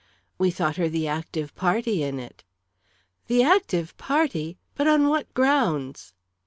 "We thought her the active party in it." "The active party! But on what grounds?"